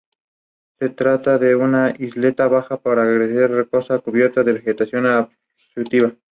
Prefiere pendientes fuertes y rocosas donde la nieve se acumula poco.